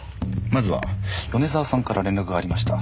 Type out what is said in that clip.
まずは米沢さんから連絡がありました。